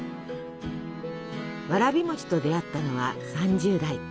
わらび餅と出会ったのは３０代。